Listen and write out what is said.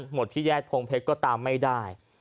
หมดที่แยกพงเพชรก็ตามไม่ได้